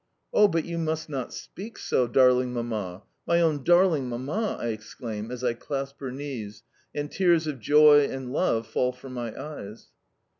"Oh, but you must not speak so, darling Mamma, my own darling Mamma!" I exclaim as I clasp her knees, and tears of joy and love fall from my eyes.